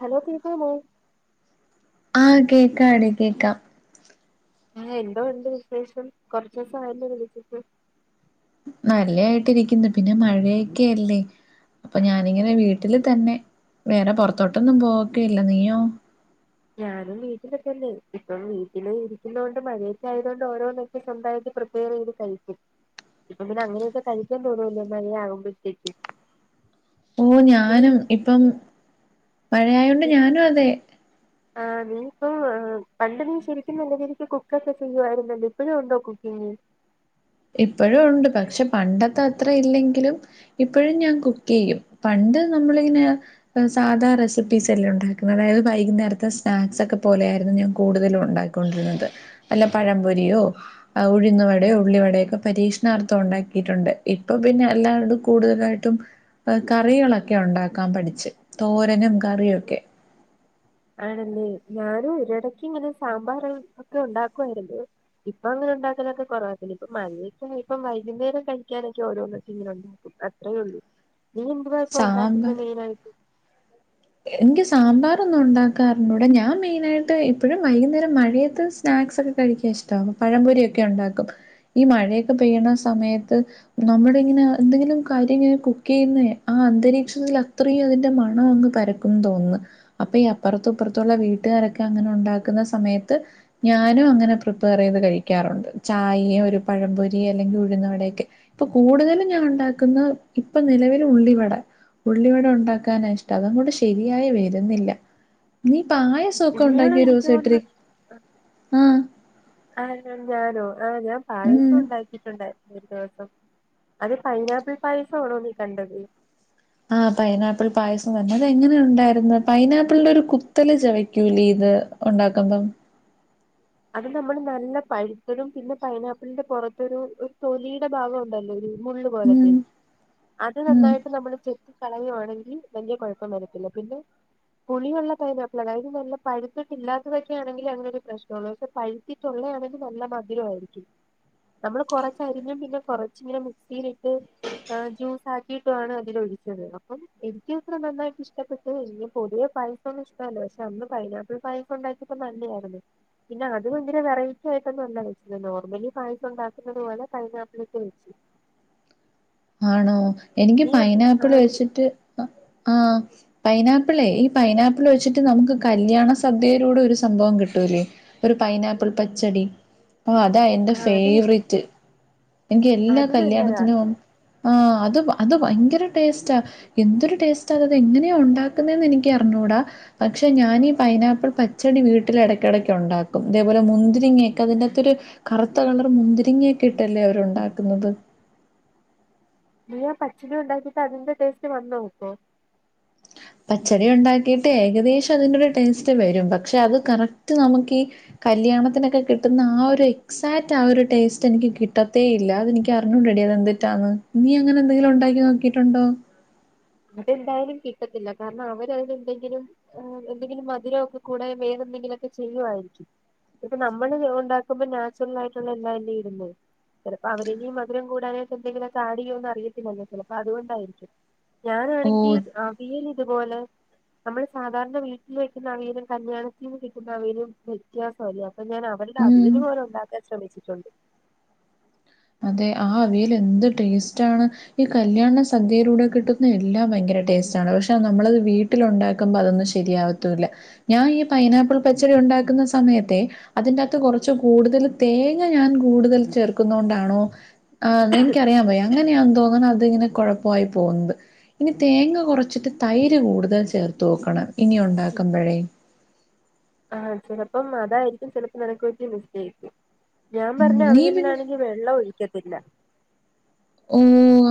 Hello കേക്കാമോ ആ കേക്കാഡി കേക്കാം ആ എന്തൊണ്ട് വിശേഷം കുറച്ച് ദിവസം ആയല്ല വിളിച്ചിട്ട് നല്ലായിട്ടിരിക്കുന്നു പിന്നെ മഴയൊക്കെയല്ലേ അപ്പൊ ഞാനിങ്ങനെ വീട്ടില് തന്നെ വേറെ പൊറത്തോട്ടൊന്നും പോക്കയില്ല നീയോ ഞാനും വീട്ടിലൊക്കെ ന്നെ ഇപ്പം വീട്ടില് ഇരിക്കുന്ന കൊണ്ട് മഴയൊക്കെ ആയത് കൊണ്ട് ഓരോന്നൊക്കെ സ്വന്തമായിട്ട് പ്രിപ്പയർ ചെയ്ത് കഴിക്കും ഇപ്പൊ പിന്നെ അങ്ങനെയൊക്കെ കഴിക്കാൻ തോന്നൊല്ലോ മഴ ആകുമ്പോഴത്തേക്ക്‌ ഓ ഞാനും ഇപ്പം മഴയായോണ്ട് നീ ഞാനും അതെ ആ നീ ഇപ്പം പണ്ട് നീ ശരിക്കും നല്ല രീതിക്ക് കുക്കൊക്കെ ചെയ്യുവായിരുന്നല്ലോ ഇപ്പോഴും ഉണ്ടോ കുക്കിംങ്ങ് ഇപ്പഴും ഉണ്ട്. പക്ഷെ പണ്ടത്തെ അത്ര ഇല്ലെങ്കിലും ഇപ്പോഴും ഞാൻ കുക്ക് ചെയ്യും പണ്ട് നമ്മളിങ്ങനെ സാധാ റെസിപ്പീസ് എല്ലാം ഉണ്ടാക്കുന്നത് അതായത് വൈകുന്നേരത്തെ സ്നാക്സ് ഒക്കെ പോലെ ആയിരുന്നു ഞാൻ കൂടുതലും ഉണ്ടാക്കി ക്കൊണ്ടിരുന്നത് വല്ല പഴംപൊരിയോ ഉഴുന്നുവടയോ ഉള്ളിവടയോ പരീക്ഷണാർത്ഥം ഉണ്ടാക്കിയിട്ടുണ്ട് ഇപ്പൊ പിന്നെ എല്ലാവടും കൂടുതലായിട്ടും കറികളൊക്കെ ഉണ്ടാക്കാൻ പഠിച്ച് തോരനും കറിയും ഒക്കെ ആണല്ലേ ഞാനും ഒരിടക്ക് ഇങ്ങനെ സാമ്പാറ് ഒക്കെ ഉണ്ടാക്കുവായിരുന്നു ഇപ്പൊ അങ്ങനെ ഉണ്ടാക്കലൊക്കെ കുറവാ ഇപ്പ മഴയൊക്കെ ആയപ്പം വൈകുന്നേരം കഴിക്കാനൊക്കെ ഓരോന്നൊക്ക ഇങ്ങനെ ഉണ്ടാക്കും അത്രേ ഉള്ളു നീ എന്തുവാ ഇപ്പ ഉണ്ടാക്കുന്ന സാമ്പാർ മെയിന് ആയിട്ട് എനിക്ക് സാമ്പാറൊന്നും ഉണ്ടാക്കാ അറിഞ്ഞൂട ഞാൻ മെയിന് ആയിട്ട് ഇപ്പോഴും വൈകുന്നേരം മഴയത്ത് സ്നാക്സ് ഒക്കെ കഴിക്കാൻ ഇഷ്ടമാ പഴംപൊരി ഒക്കെ ഉണ്ടാക്കും ഈ മഴയൊക്കെ പെയ്യണ സമയത്ത് നമ്മള് ഇങ്ങനെ എന്തെങ്കിലും കാര്യം ഇങ്ങനെ കുക്ക് ചെയ്യുന്ന ആ അന്തരീക്ഷത്തിൽ അത്രയും അതിന്റെ മണം അങ്ങ് പരക്കും തോന്ന് അപ്പൊ ഈ അപ്പുറത്തുംഇപ്പുറത്തുള്ള വീട്ടുകാരൊക്കെ അങ്ങനെ ഉണ്ടാക്കുന്ന സമയത്ത് ഞാനും അങ്ങനെ പ്രിപ്പയർ ചെയ്ത് കഴിക്കാറുണ്ട് ചായേം ഒരു പഴംപൊരി അല്ലെങ്കിൽ ഉഴുന്നവടയൊക്കെ ഇപ്പൊ കൂടുതലും ഞാൻ ഉണ്ടാക്കുന്ന ഇപ്പൊ നിലവിൽ ഉള്ളിവട ഉള്ളിവട ഉണ്ടാക്കാനാ ഇഷ്ടം അത അങ്ങോട്ട് ശരിയായി വരുന്നില്ല നീ പായസൊക്കെ ഉള്ളിയോടെ ഉണ്ടാക്കിയ എനിക്ക് ഒരൂസം ഇത്തിരി ആ ആര് ഞാ ഞാനോ ആ ഞാൻ ഉം പായസം ഉണ്ടാക്കിട്ടുണ്ടായി ഒരു ദിവസം അത് പൈനാപ്പിൾ പായസോണോ നീ കണ്ടത് ആ പൈനാപ്പിൾ പായസം തന്നെ അത് എങ്ങനെ ഉണ്ടായിര്ന്ന് പൈനാപ്പിളിൻ്റെ ഒരു കുത്തല് ചവക്കൂലേ ഇത് ഒണ്ടാക്കുമ്പം അത് നമ്മള് നല്ല പഴുത്തതും പിന്നെ പൈനാപ്പിളിൻ്റെ പുറത്തൊരു തൊലിടെ ഭാഗം ഉണ്ടല്ലോ ഒരു മുള്ള് ഉം പോലത്തെ അത് ഉം നന്നായിട്ട് നമ്മള് ചെത് കളയുവാണെങ്കി വല്യ കൊഴപ്പം വരത്തില്ല പിന്നെ പുളിയൊള്ള പൈനാപ്പിള് അതായത് നല്ല പഴുത്തട്ടില്ലാത്തതൊക്കെ ആണെങ്കി അങ്ങനൊരു പ്രശ് ള്ളൂ പക്ഷെ പഴുത്തിട്ടുള്ളതാണെങ്കി നല്ല മധുരായിരിക്കും നമ്മള് കൊറച്ചരിഞ്ഞും പിന്നെ കൊറച്ചിങ്ങനെ മിക്സിയിലിട്ട് ജ്യൂസാക്കിയിട്ടു ആണ് അതില് ഒഴിച്ചത് അപ്പം എനിക്ക് ഇത്ര നന്നായിട്ട് ഇഷ്ടപ്പെട്ടു ഇനി പൊതുവെ പായസൊന്നും ഇഷ്ടല്ല പക്ഷെ അന്ന് പൈനാപ്പിൾ പായസം ഉണ്ടാക്കിപ്പം നല്ലയായിരുന്നു പിന്നെ അത് ഭയങ്കര വെറൈറ്റി ആയിട്ടൊന്നല്ല വെച്ചത് നോർമലി പായസം ഉണ്ടാക്കുന്നത് പോലെ പൈനാപ്പിളിട്ട് വെച്ചു ആണോ എനിക്ക് നീ ആ പൈനാപ്പിള് നീ വെച്ചിട്ട് അ ആ പൈനാപ്പിളേ ഈ പൈനാപ്പിള് വെച്ചിട്ട് നമുക്ക് കല്യാണ സദ്യയിലൂടെ ഒരു സംഭവം കിട്ടൂല്ലേ ഒരു പൈനാപ്പിൾ പച്ചടി അപ്പ അതാ എന്റെ ആ അത് കിട്ടും ഫേവറേറ്റ് എനിക്ക് എല്ലാ അത് നല്ലതാ കല്യാണത്തിനും. ആ അത് അത് ഭയങ്കര ടേസ്റ്റാ, എന്തൊരു ടേസ്റ്റാ അത് എങ്ങനെയാ ഉണ്ടാക്കുന്നേന്ന് എനിക്ക് അറിഞ്ഞൂടാ, പക്ഷെ ഞാനീ പൈനാപ്പിൾ പച്ചടി വീട്ടില് എടക്കെടക്ക് ഒണ്ടാക്കും, ഇതേപോലെ മുന്തിരിങ്ങയെക്കെ അതിനാത്തൊരു കറുത്ത കളറ് മുന്തിരിങ്ങയൊക്കെ ഇട്ടല്ലേ അവരൊണ്ടാക്കുന്നത്. നീ ആ പച്ചടി ഉണ്ടാക്കിട്ട് അതിന്റെ ടേസ്റ്റ് വന്നോ അപ്പോ? പച്ചടി ഉണ്ടാക്കിയിട്ട് ഏകദേശം അതിൻ്റൊരു ടേസ്റ്റ് വരും, പക്ഷെ അത് കറക്റ്റ് നമുക്കി കല്യാണത്തിനൊക്കെ കിട്ടുന്ന ആ ഒരു എക്സാക്റ്റ് ആ ഒരു ടേസ്റ്റ് എനിക്ക് കിട്ടത്തേ ഇല്ല, അതെനിക്ക് അറിഞ്ഞൂടടി അത് എന്തിട്ടാന്ന്, നീ അങ്ങനെ എന്തെങ്കിലും ഉണ്ടാക്കി നോക്കിട്ടുണ്ടോ? അതെന്തായാലും കിട്ടത്തില്ല കാരണം അവരതിന് എന്തെങ്കിലും എന്തെങ്കിലും മധുരൊക്കെ കൂടെ വേറെ എന്തെങ്കിലെക്കെ ചെയ്യുവായിരിക്കും, എന്നിട്ട് നമ്മള് ഉണ്ടാക്കുമ്പോ നാച്ചുറലായിട്ടുള്ള എല്ലാല്ലെ ഇടുന്നെ ചെലപ്പോ അവര് മധുരം കൂടാനായിട്ട് എന്തെങ്കിലൊക്കെ ആടെയ്യൊന്ന് അറിയത്തില്ലല്ലോ ചിലപ്പോ അതുകൊണ്ടായിരിക്കും. ഓ ഞാനാണെങ്കി അവിയല് അതുപോലെ നമ്മള് സാധാരണ വീട്ടില് വെക്കുന്ന അവിയലും കല്യാണത്തിന് കിട്ടുന്ന അവിയലും വ്യത്യാസോലെ? പ്പ ഞാനവരുടെ ഉം അവിയലു പോലു ഉണ്ടാക്കല് ശ്രമിച്ചിട്ടുണ്ട്. അതെ ആ അവിയൽ എന്ത് ടേസ്റ്റാണ് ഈ കല്യാണ സദ്യയിലൂടെ കിട്ടുന്ന എല്ലാം ഭയങ്കര ടേസ്റ്റാണ് പക്ഷെ നമ്മള് വീട്ടില് ഉണ്ടാക്കുമ്പോ അതൊന്നും ശരിയാവത്തൂല്ല ഞാൻ ഈ പൈനാപ്പിൾ പച്ചടി ഉണ്ടാക്കുന്ന സമയത്തെ അതിൻ്റാത്ത് കൊറച്ച് കൂടുതല് തേങ്ങ ഞാൻ കൂടുതൽ ചേർക്കുന്നോണ്ടാ ണോ ആന്നെനിക്കറിയാൻ വയ്യ, അങ്ങനെയാന്ന് തോന്നണ് അതിങ്ങനെ കൊഴപ്പായി പോവുന്നത്, ഇനി തേങ്ങ കൊറച്ചിട്ട് തൈര് കൂടുതൽ ചേർത്ത് നോക്കണം ഇനി ഉണ്ടാക്കുമ്പഴേ ആഹ് ചിലപ്പം അതായിരിക്കും ചിലപ്പോ നിനക്ക് പറ്റിയ മിസ്റ്റേക്ക്. ഞാൻ ഉം പറഞ്ഞ നീ പിന്നെ അവിയലിനാണെങ്കി വെള്ളം ഒഴിക്ക ഇല്ല ഓ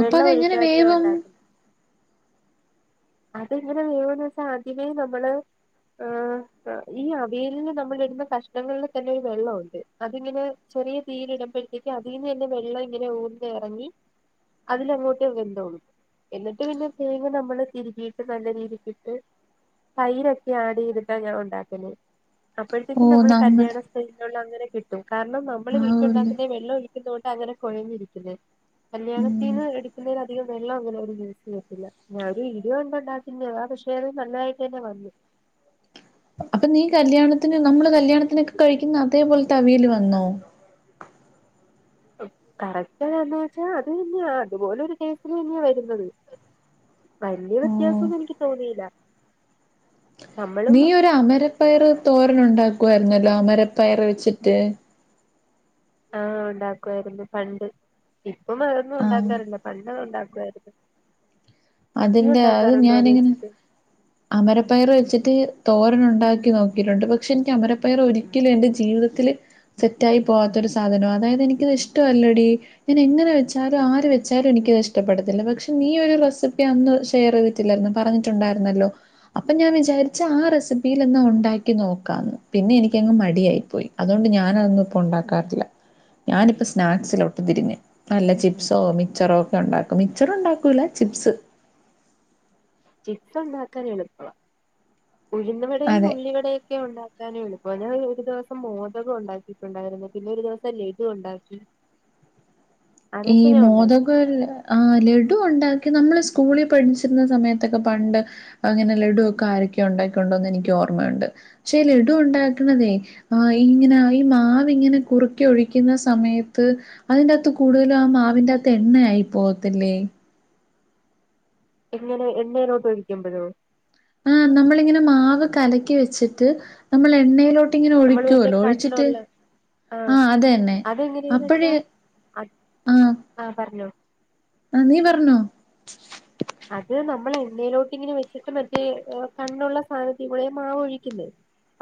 അപ്പൊ അതെങ്ങനെ വേവും അതങ്ങനെ വേവന്ന് വെച്ചാ ആദ്യമേ നമ്മള് ങാ ങ ഈ അവിയലിന് നമ്മള് ഇടുന്ന കഷ്ണങ്ങളില് തന്നൊരു വെള്ളൊണ്ട്, അതിങ്ങനെ ചെറിയ തീയിയിലിടുമ്പോഴത്തേക്ക് അതിന്നന്നെ വെള്ളം ഇങ്ങനെ ഊർന്നെറങ്ങി അതിലങ്ങോട്ട് വെന്തോളും, എന്നിട്ട് പിന്നെ തേങ്ങ നമ്മള് തിര കീട്ട് നല്ല രീതിക്കിട്ട് തൈരൊക്കെ ആഡ് ചെയ്തിട്ടാ ഞാൻ ഉണ്ടാക്കുന്നെ. അപ്പോഴത്തേക്കും ഓഹ് നമ്മള് നമ്മൾ കല്യാണ സ്റ്റൈലിലൊള്ള തരെ കിട്ടും കാരണം നമ്മള് ആവൂല്ലേ. വീട്ടിലുണ്ടാക്കുന്നേ വെള്ളം ഒഴി തിനോണ്ട് അങ്ങനെ കൊഴഞ്ഞിരിക്കില്. കല്യാണ ഉം. ത്തീന്ന് എടുക്കുന്നതിനാ അധികം വെള്ളം അങ്ങനെ അവര് യൂസ് ചെയ്യത്തില്ല, [unintelligible] ങ്ങളന്ന് ഇണ്ടാക്കിയില്യോ ആ [unintelligible] നന്നയിട്ടന്നെ വന്നു. അപ്പൊ നീ കല്യാണത്തിന് നമ്മള് കല്യാണത്തിനക്കെ കഴിക്കുന്ന അതേപോലെത്തെ അവിയല് വന്നോ? ഉംകറക്റ്റ് വന്നച്ച അത് ഇനിയാ അത് തന്നെയാ, അതുപോലെ ഒരു ടേസ്റ്റിലന്നയാ വരുന്നത്. വല്യ ഓ വ്യത്യാസം ഒന്നു എനിക്ക് തോന്നിയില്ല നമ്മളും നീ ഒരു അമരപ്പയർ തോരനുണ്ടാ പക്കുവായിരുന്നല്ലോ? മരപ്പയറ വെച്ചിട്ട് ആഹ് ഉണ്ടാക്കുായിരുന്നു, പണ്ട് ഇപ്പം അതൊന്നും ആഹ് ഉണ്ടാക്കാറില്ല പണ്ടത് ഉണ്ടാക്കും [unintelligible] അതിന്റെ അത് ഞാനിങ്ങനെ അമരപ്പയറ വെച്ചിട്ട് തോരൻ ഉണ്ടാക്കി നോക്കിയിട്ടുണ്ട്, പക്ഷെ എനിക്ക് അമരപ്പയറ ഒരിക്കലും എന്റെ ജീവിതത്തില് സെറ്റായി പോവാത്തൊരു സാധനവ അതായത് എനിക്കത് ഇഷ്ടമല്ലടി ഞാൻ എങ്ങനെ വെച്ചാലും ആര് വെച്ചാലും എനിക്കത് ഇഷ്ടപ്പെടത്തില്ല, പക്ഷെ നീയ ഒരു റെസിപ്പി അന്ന് ഷെയർ ചെയ്തിട്ടില്ലായിരുന്നോ? പറഞ്ഞിട്ടുണ്ടായിരുന്നല്ലോ? അപ്പൊ ഞാൻ വിചാരിച്ച ആ റെസിപ്പിയിൽ ഇന്ന് ഉണ്ടാക്കി നോക്കാന്ന് പിന്നെ എനിക്കങ്ങ് മടിയായി പോയി അതുകൊണ്ട് ഞാാന അതൊന്നും ഇപ്പ ഉണ്ടാക്കാറില്ല ഞാനിപ്പോ സ്നാക്സൽ ഒട്ട് തിരിഞ്ഞ്, വല്ല ചിപ്സോ മക്ച്ചറോ ഒക്കെ ഉണ്ടാക്കും മിക്ച്ചർ ഉണ്ടാക്കൂല ചിപ്സ്. ചിക്കൻ ഉണ്ടാക്കാൻ എളുപ്പവ. ഉഴുന്നവിടടെയും, അതെ ഉള്ളിവടയും ഒക്കെ ഉണ്ടാക്കാനും എളും [unintelligible] ഒരു ദിവസം മോദകം ഉണ്ടാക്കിട്ടുണ്ടായിരുന്നു പിന്നെ ഒരു ദിവസം ലഡു ഉണ്ടാക്കി ഈ അതൊക്കെ ഞാൻ ഉണ്ടാക്കി മോതക ആഹ് ലഡു ഉണ്ടാ നമ്മള് സ്കൂളിൽ പഠിച്ചിരുന്ന സമയത്തൊക്കെ പണ്ട് അങ്ങനെ ലഡു ഒക്കെ ആരൊക്കെ ഉണ്ടാക്കിണ്ടോന്ന് എനിക്ക് ഓർമ്മയുണ്ട് പക്ഷേ ലഡു ഉണ്ടാക്കണതേ ഇങ്ങനെ ഈ മാവിങ്ങനെ കുറുക്കി ഒഴിക്കുന്ന സമയത്ത് അതിന്റത്ത് കൂടുതലും ആ മാവിന്റെ അകത്ത് എണ്ണയായി പോകത്തില്ലേ എങ്ങനെ എണേലോറ്റൊഴിക്കുമ്പോഴോ ആഹ് നമ്മളിങ്ങനെ മാവ് കലക്കി വെച്ചിട്ട് നമ്മൾ എണ്ണയിലോ ഇങ്ങനെ നമ്മള് മറ്റേ ഒഴിക്കുവല്ലോ ഒഴിച്ചിട്ട് കണ്ണുള്ള ആഹ് അതന്നെ അതെങ്ങനെയാന്ന് അപ്പഴേ വെച്ചാ ആഹ് ആഹ് നീ പറഞ്ഞോ അത് നമ്മൾ എണ്ണേലോട്ട് ഇങ്ങനെ വെച്ചിട്ട് മറ്റേ ഏഹ് കണ്ണുള്ള സാധനത്തി കൂടെയാ മാവ് ഒഴിക്കുന്നത്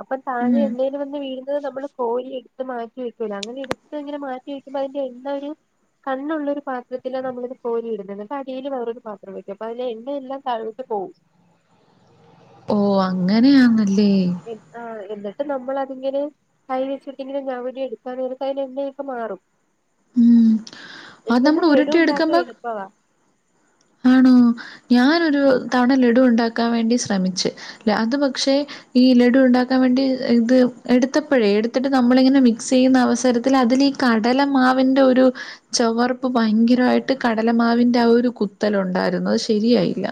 അപ്പൊ താഴെ എന്തേലും വന്ന് വീ അത് നമ്മള് കോരി എടുത്ത് മാറ്റി വെക്കൂലെ അങ്ങനെ എടുത്ത് അങ്ങനെ മാറ്റി വെക്കുമ്പോ അതിന്റെ എണ്ണ ഒരു കണ്ണുള്ളൊരു പാത്രത്തിലാ നമ്മളിത് കോരി ഇടുന്നത് അപ്പോ അടിയില് വേറൊരു പാത്ര [unintelligible] അതിലെ എണ്ണ എല്ലാം താഴോട്ട് പോവും ഓഹ് അങ്ങനെയാന് [unintelligible] ആഹ് എന്നി നമ്മളതിങ്ങനെ കൈ വെച്ചിട്ടിങ്ങനെ ഞവടി എടുക്കാൻ നേരത്ത് അതിലെ എണ്ണയൊക്കെ മാറും ഉം അ എനിക്ക് നമ്മള് തോന്നുന്നു ലഡു ഉരുട്ടി ഉണ്ടാക്കാൻ എടുക്കുമ്പോ എളുപ്പവാ ആണോ ഞാനൊരു തവണ ലഡു ഉണ്ടാക്കാൻ വേണ്ടി ശ്രമിച്ച് അത് പക്ഷേ ഈ ലഡു ഉണ്ടാക്കാൻ വേണ്ടി ഇത് എടുത്തപ്പോഴേ എടുത്തിട്ട് നമ്മളിങ്ങനെ മിക്സ് ചെയ്യുന്ന അവസരത്തിൽ അതിൽ ഈ കടല മാവിൻ്റെ ഒരു ചവർപ്പ് ഭയങ്കരമായിട്ട് കടലമാവിന്റെ ആ ഒരു കുത്തലുണ്ടായിരുന്ന്നു അത് ശരിയായില്ല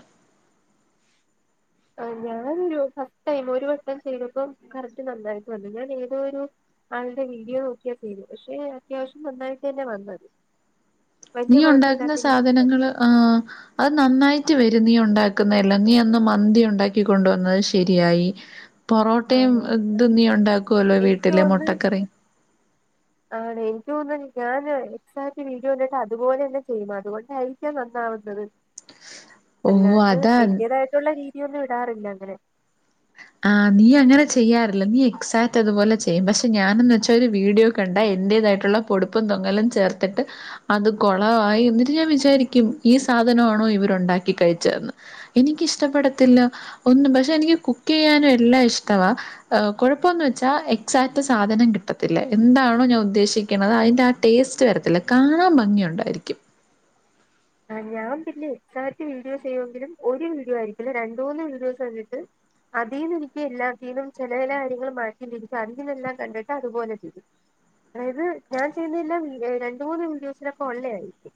ഞാനൊരു ഫസ്റ്റ് ടൈം ഒരു വട്ടം ചെയ്തപ്പോം കറക്റ്റ് നന്നായിട്ട് വന്നു ഞാൻ ഏതോ ഒരു ആളുടെ വീഡിയോ നോക്കിയ ചെയ്തത് പക്ഷെ അത്യാവശ്യം നന്നായിട്ട് തന്നെ വന്നത് നീ വലിയ ഉണ്ടാക്കുന്ന കുഴപ്പമില്ലാത്ത രീതിക്ക് വന്നു സാധനങ്ങള് ആഹ് അത് നന്നായിട്ട് വ നീ ഉണ്ടാക്കുന്നെല്ലാം നീ അന്ന് മന്തി ഉണ്ടാക്കി കൊണ്ട് വന്നത് ശരിയായി പൊറോട്ടയും ആഹ് ഇത് നീ ഉണ്ടാക്കുവല്ലോ എനിക്ക് വീട്ടില് തോന്നുന്നു മുട്ടക്കറി ആണ് എനിക്ക് തോന്നു ഞാൻ എക്സാക്റ്റ് വീഡിയോ ഉണ്ടിട്ട് അതുപോലെ തന്നെ ചെയ്യും അതുകൊണ്ടയിരിക്കാം നന്നാവുന്നത് ഓ അല്ലാണ്ട് അതാ എന്റേതായിട്ടുള്ള രീ ഒന്നും ഇടാറില്ല അങ്ങനെ ആഹ് നീ അങ്ങനെ ചെയ്യാറില്ല നീ എക്സാക്റ്റ് അതുപോലെ ചെയ്യും പക്ഷെ ഞാനന്ന് വെച്ചാ ഒരു വീഡിയോ കണ്ടാ എൻറേതായിട്ടുള്ള പൊടുപ്പും തൊങ്ങലും ചേർത്തിട്ട് അത് കുളവായി എന്നിട്ട് ഞാൻ വിചാരിക്കും ഈ സാധനമാണോ ഇവരു ഉണ്ടാക്കി കഴിച്ചതന്ന് എനിക്കിഷ്ടപ്പെടത്തില്ല ഒന്നും പക്ഷെ എനിക്ക് കു [unintelligible] ചെയ്യാനും എല്ലാം ഇഷ്ടവാ കുഴപ്പംന്ന് വെച്ചാ എക്സാക്റ്റ് സാധനം കിട്ടത്തില്ല എന്താണോ ഞാൻ ഉദ്ദേശിക്കണത് അതിന്റെ ആ ടേസ്റ്റ് വരത്തില്ല കാണാൻ ഭംഗിയുണ്ടായിരിക്കും ആഹ് ഞാൻ പിന്നെ എക്സാക്റ്റ് വീഡിയോ ചെയ്യുങ്കിലും ഒരു വീഡിയോ ആയിരിക്കില്ല രണ്ട് മൂന്ന് വീഡിയോസ് കണ്ടിട്ട് അതിന്ന് എനിക്ക് എല്ലാത്തീനും ചില ചില കാര്യങ്ങൾ മാറ്റിതിരിച്ചും അതിൽ നിന്നെല്ലാം കണ്ടിട്ട് അതുപോലെ ചെയ്യും അതായത് ഞാൻ ചെയ്യുന്ന എല്ലാ വീഡിയോ രണ്ട് മൂന്ന് വീഡിയോസിലൊക്കെ ഒള്ളെ ആയിരിക്കും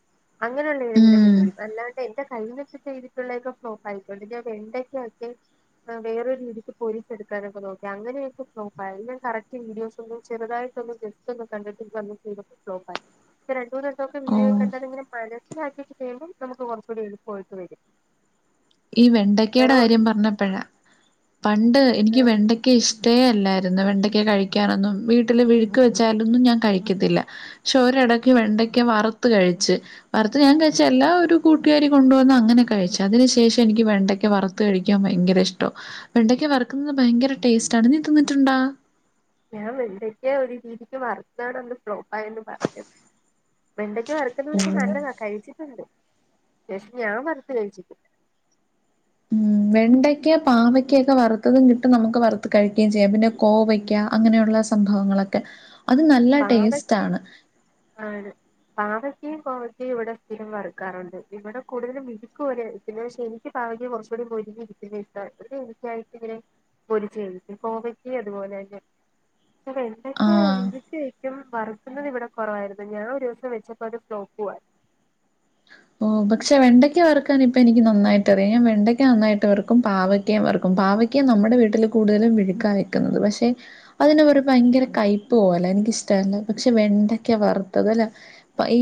അങ്ങനെയുള്ള ഏതെ ഉം [unintelligible] അല്ലാണ്ട് എന്റെ കയ്യിന്ന് എടുത്ത് ചെയ്തി ട്ടുള്ളൊതൊക്കെ ഫ്ലോപ്പായി [unintelligible] വെണ്ടയ്ക്കൊക്കെ വേറൊരു രീതിക്ക് പൊരിച്ചെടുക്കാനൊക്കെ നോക്കി അങ്ങനെയൊക്കെ ഫ്ലോപ്പായി കറക്റ്റ് വീഡിയോസ് ഒന്നും ചെറുതായിട്ടൊന്ന് ജസ്റ്റ് ഒന്ന് കണ്ടിട്ട്ന്ന് [unintelligible] ഫ്ലോപ്പായി പക്ഷേ രണ്ട് മൂന്നെട്ടൊക്കെ ഓ വീഡിയോ കണ്ടാ ഇങ്ങനെ മനസിലാക്കി [unintelligible] നമുക്ക് കുറച്ചൂടി എളുപ്പമായിട്ട് വരും ഈ വെണ്ടക്കയുടെ വേറെ കാര്യം പറഞ്ഞപ്പോഴാ പണ്ട് എനിക്ക് വെണ്ടെയ്ക്ക ഇഷ് ഇഷ്ടേ അല്ലായിരുന്നു വെണ്ടയ്ക്ക് കഴിക്കാനൊന്നും വീട്ടില് വിഴുക്ക് വെച്ചാലൊന്നും ഞാൻ കഴിക്കത്തില്ല പക്ഷെ ഒരടക്ക് വെണ്ടെയ്ക്ക വറുത്ത് കഴിച്ച് വറുത്ത് ഞാൻ കഴിച്ചതല്ല ഒരു കൂട്ടുകാരി കൊണ്ടുവന്ന് അങ്ങനെ കഴിച്ചു അതിനു ശേഷം ഈ വെണ്ടക്ക വറുത്ത് കഴിക്കാൻ ഭയങ്കര ഇഷ്ട്ടാ വെണ്ടക്ക വറുക്കുന്നത് ഭയങ്കര ടെസ്റ്റ്‌ ആണ് നീ തിന്നിട്ടുണ്ടാ ഞാൻ വെണ്ടക്ക ഒരു രീതിക്ക് വറ്ക്കാണന്ന് ഫ്ലോപ്പായെന്ന് പറഞ്ഞത് വെണ്ടക്ക വറുക്കുന്ന പക്ഷെ ഉം നല്ലതാ കഴിച്ചിട്ടുണ്ട് [unintelligible] ഉം വെണ്ടയ്ക്ക പാവയ്ക്കൊക്കെ വറുത്തതും കിട്ടും നമ്മക്ക് വറുത്തു കഴിക്കേം ചെയ്യാം പിന്നെ കോവയ്ക്ക അങ്ങനെയുള്ള സംഭവങ്ങളൊക്കെ അത്‌ നല്ല ടേസ്റ്റ് പാവയ്ക്കയും ആണ്. ക്കേം ഗോവക്കേം ഇവ്ടെ സ്ഥിരം വറുക്കാറുണ്ട് ഇവ്ടെ കൂടുതലും മെഴുക്കുപോലെ പിന്നെപക്ഷെ എനിക്ക് പാവയ്ക്കാ കുറച്ചൂടെ മൊരിഞ്ഞിരിക്കുന്ന ഇഷ്ടാ. ഇവ്ടെ എനിക്കായിട്ടിങ്ങനെ മൊരിച്ചു വേവിക്കും ഗോവക്കേം അതുപോലെ തന്നെ ക്ഷേ ആഹ് വെണ്ടയ്ക്ക വറുക്കുന്നതിവിടെ കുറവായിരുന്നു. ഞാൻ ഒരുദിവസം വെച്ചപ്പോ അത്‌ ഫ്ലോപ്പുമായി. ഓ പക്ഷെ വെണ്ടയ്ക്ക വറുക്കാൻ ഇപ്പോ എനിക്ക് നന്നായിട്ടറിയാം. ഞാൻ വെണ്ടയ്ക്ക നന്നായിട്ട് വറുക്കും പാവക്കേം വറുക്കും. പാവയ്ക്കാ നമ്മുടെ വീട്ടിൽ കൂടുതലും മെഴുക്കാ വെക്കുന്നത്. പക്ഷെ അതിന് ഒരു ഭയങ്കര കൈപ്പു പോലെ എനിക്കിഷ്ടല്ല. പക്ഷെ വെണ്ടയ്ക്ക വറുത്തത്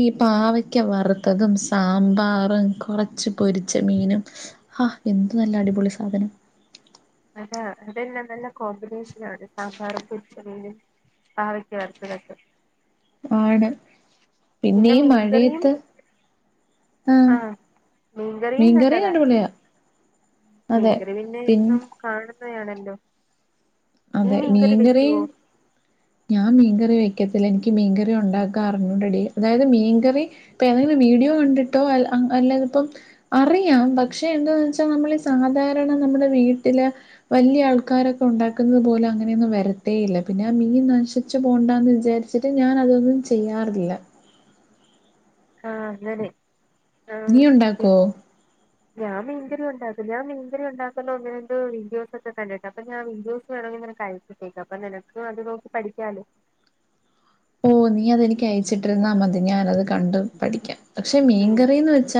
ഈ പാവയ്ക്കാ വറുത്തതും മ്പാറും കുറച്ചു പൊരിച്ച മീനും ഹാ എന്ത് നല്ല അടിപൊളി സാധനം. [unintelligible] അതെല്ല നല്ല കോമ്പിനേഷൻ ആണ്. സാമ്പാറും പൊരിച്ചമീനും പാവയ്ക്കാ വറുത്തതൊക്കെ. ആണ് പിന്നെ ഈ മീൻകറീം മഴയത്ത് ആഹ് ആ മീൻകറീം മീൻകറി നല്ലതാ. അടിപൊളിയാ അതെ. മീൻകറി പിന്നെ പിൻ ഇപ്പം കാ ണല്ലോ അതെ മീൻകറി ഞാൻ മീൻകറി വെയ് ക്കൂല്ല എനിക്ക് മീൻകറി ഉണ്ടാക്കാൻ അറിഞ്ഞൂടെടി അതായത് മീൻകറി ഇപ്പ ഏതേലും വീഡിയോ കണ്ടിട്ടോ അ അല്ലാതിപ്പം അറിയാം പക്ഷെ എന്താന്നവച്ച സാധാരണ നമ്മുടെ വീട്ടിൽ വല്യ ആൾക്കാരൊക്കെ ഉ ന്നതുപോലെ അങ്ങനെ ഒന്നും വരത്തേ ഇല്ല പിന്നെ ആ മീൻ നശിച്ചു പോവണ്ടാന്ന് വിചാരിച്ചിട്ട് ഞാൻ അതൊന്നും ചെയ്യാറില്ല. ആ അങ്ങനെ നീ ആഹ് ഉണ്ടാക്കോ? ഞാൻ മീൻകറി ഉണ്ടാക്കും. ഞാൻ മീൻകറി ഉണ്ടാക്കുന്ന ഒന്ന് രണ്ട് വീഡിയോസൊക്കെ കണ്ടിട്ടാ അപ്പോ ഞാൻ വീഡിയോസ് വേണോങ്കി അയച്ചിട്ടേക്കാം അപ്പോ നിനക്കും അത്‌ നോക്കി പഠിക്കാല്ലോ. ഓ നീയത് എനിക്കയച്ചിട്ടിരുന്നമതി ഞാൻ അത്‌ കണ്ട് പഠിക്കാം. ക്ഷേ ഉം മീൻകറിന്ന് വെച്ച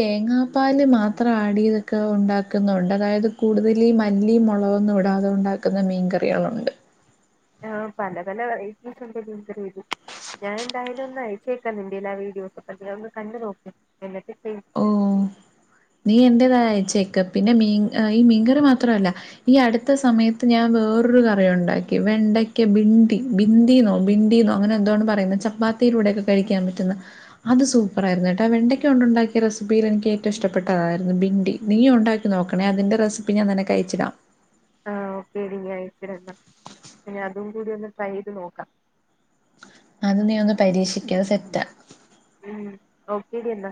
തേങ്ങാപ്പാല് മാത്രം ആഡ് ചെയ്തൊക്കെ ഉണ്ടാക്കുന്ന ഉണ്ട് അതായത് കൂടുതൽ ഈ മല്ലിം മുളകൊന്നും ഇടാതെ ഉണ്ടാക്കുന്ന മീൻകറികളും ഉണ്ട്. ആ പല പല വെറൈറ്റിസ് ഉണ്ട് മീൻകറില് ഞാൻ എന്തായാലും ഒന്ന് അയച്ചേക്കാം നിന്റേൽ ആ വീഡിയോസൊക്കെ നീ ഒന്ന് കണ്ടുനോക്ക് എന്നിട്ട് ചെയ് ഓ നീ എന്തായാലും അതയച്ചേക്ക് പിന്നെ മീൻ ഈ മീൻകറി മാത്രല്ല ഈ അടുത്തസമയത്ത് ഞാൻ വേറൊരു കറിയുണ്ടാക്കി വെണ്ടയ്ക്ക ബിണ്ടി ബിന്ദിന്നോ ബിന്തിന്നോ അങ്ങനെ എന്തോണ് പറയുന്നേ. ചപ്പാത്തിടെ കൂടൊക്കെ കഴിക്കാൻ പറ്റുന്ന, അത്‌ സൂപ്പർ ആയിരുന്നുകേട്ടോ വെണ്ടയ്ക്ക കൊണ്ടുണ്ടാക്കിയ റെസിപിയിൽ എനിക്കേറ്റവും ഇഷ് തായിരുന്നു ബിണ്ടി നീയും ഉണ്ടാക്കിനോക്കണേ അതിന്റെ റെസിപി ഞാൻ നിനക്കയച്ചിടാം. ആ ഓക്കേടി നീ അയച്ചിടെന്ന ഇനി അതുംകൂടി ഒന്ന് ട്രൈ ചെയ്ത് നോക്കാം ഞാനൊന്നു പരീക്ഷിക്കാ സെറ്റ ഉം ഓക്കേടി എന്നാ